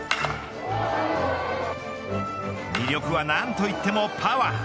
魅力は何といってもパワー。